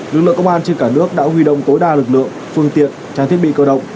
lực lượng công an trên cả nước đã huy động tối đa lực lượng phương tiện trang thiết bị cơ động